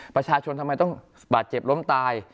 ประชาชนทำไมต้องบาดเจ็บล้มตาย